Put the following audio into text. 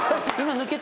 抜けた。